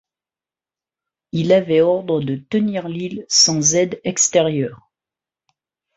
Il avait ordre de tenir l'île sans aide extérieure.